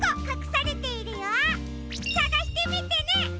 さがしてみてね！